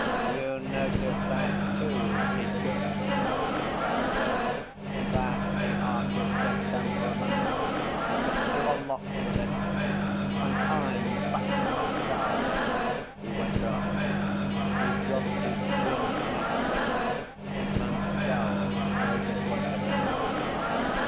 'You noticed that, too, did you?' said Masquerier. 'That's the artistic temperament. You can do a lot with it. And I'm Bat Masquerier,' he went on. He dropped his chin in his fists and scowled straight in front of him....